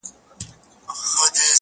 مخامخ وتراشل سوي بت ته گوري ـ